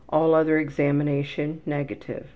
All other examination negative.